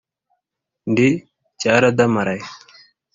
ndi cyaradamaraye.